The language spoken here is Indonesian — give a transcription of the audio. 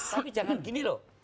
tapi jangan gini loh